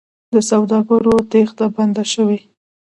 د سوداګرو تېښته بنده شوې؟